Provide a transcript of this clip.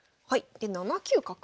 で７九角。